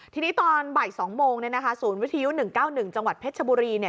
ทีนี้ตอนบ่าย๒โมงศูนย์วิทยุ๑๙๑จังหวัดเพชรชบุรี